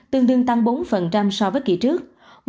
tương đương tăng bốn so với kỳ trước